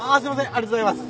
ありがとうございます。